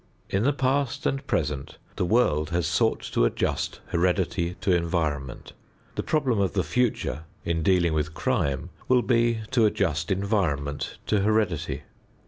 In the past and present, the world has sought to adjust heredity to environment. The problem of the future in dealing with crime will be to adjust environment to heredity.